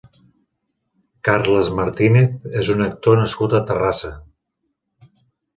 Carles Martínez és un actor nascut a Terrassa.